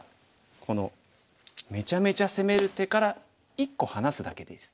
このめちゃめちゃ攻める手から１個離すだけでいいです。